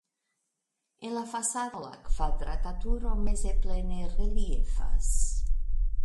En la fasado la kvadrata turo meze plene reliefas.